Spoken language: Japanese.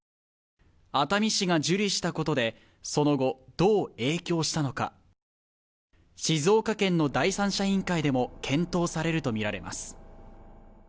熱海市が受理したことでその後どう影響したのか静岡県の第三者委員会でも検討されると見られます